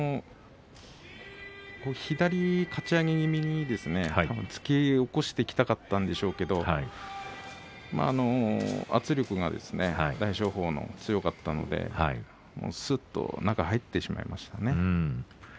左、かち上げ気味に突き起こしていきたかったんでしょうけど圧力が大翔鵬のほうが強かったのですっと中に入ってしまいましたね。